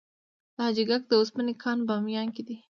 د حاجي ګک د وسپنې کان په بامیان کې دی